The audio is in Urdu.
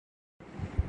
بَہُت طنز کرنا